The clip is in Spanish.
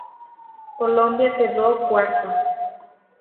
Colombia quedó cuarta.